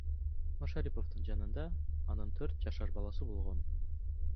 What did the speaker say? Машариповдун жанында анын төрт жашар баласы болгон.